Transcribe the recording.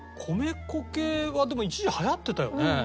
米粉系はでも一時はやってたよね。